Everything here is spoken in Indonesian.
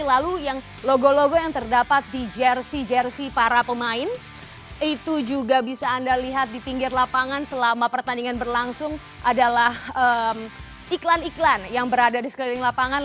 lalu yang logo logo yang terdapat di jersi jersi para pemain itu juga bisa anda lihat di pinggir lapangan selama pertandingan berlangsung adalah iklan iklan yang berada di sekeliling lapangan